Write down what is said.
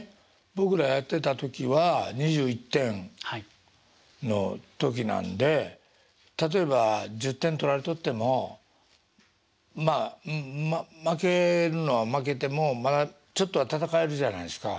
僕らやってた時は２１点の時なんで例えば１０点取られとってもまあ負けるのは負けてもまだちょっとは戦えるじゃないですか。